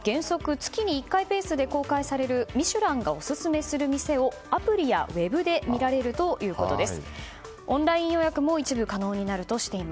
更に、原則月に１回ペースで公開される「ミシュラン」がオススメする店をアプリやウェブで見られるということです。